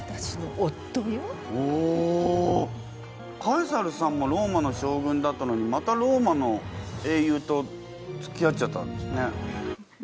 カエサルさんもローマの将軍だったのにまたローマの英雄とつきあっちゃったんですね？